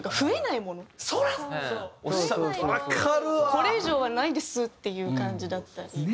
「これ以上はないです」っていう感じだったり。